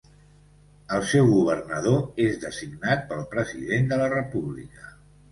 El seu governador és designat pel president de la República.